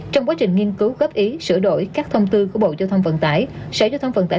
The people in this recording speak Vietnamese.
trong quá trình nghiên cứu góp ý sửa đổi các thông tư của bộ giao thông vận tải sở giao thông vận tải